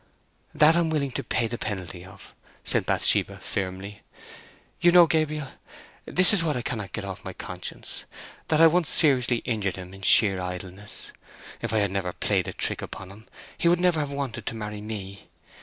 "That I'm willing to pay the penalty of," said Bathsheba, firmly. "You know, Gabriel, this is what I cannot get off my conscience—that I once seriously injured him in sheer idleness. If I had never played a trick upon him, he would never have wanted to marry me.